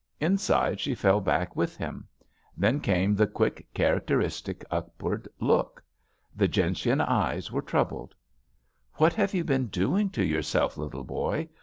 Inside she fell back with him. Then came the quick, characteristic upward look. The gentian eyes were troubled. What have you been doing to yourself, little boy?